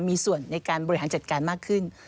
มีส่วนในการบริหารจัดการมากขึ้น